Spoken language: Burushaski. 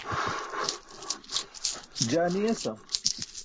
Jaa ni esam.